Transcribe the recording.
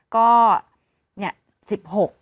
ก็นี่๑๖